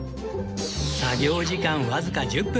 作業時間わずか１０分